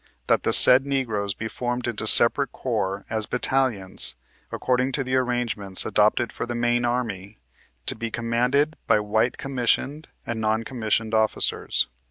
" That the said Negroes be formed into separate corps, as battalions, according to the arrangements adopted for the main army, to be com manded by white commissioned and non commissioned officers."